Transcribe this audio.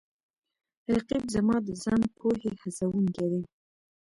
رقیب زما د ځان پوهې هڅوونکی دی